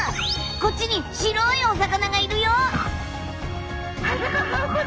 こっちに白いお魚がいるよ。